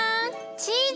チーズ！